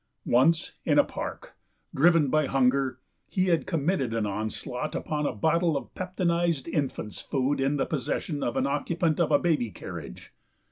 Once, in a park, driven by hunger, he had committed an onslaught upon a bottle of peptonized infant's food in the possession of an occupant of a baby carriage.